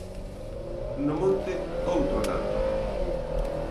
No monte, outro tanto.